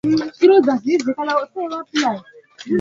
Ngombe aliyekufa kwa ndigana kali huvimba tezi